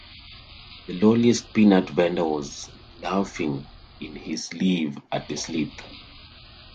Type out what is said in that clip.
The lowliest peanut-vender was laughing in his sleeve at the sleuth.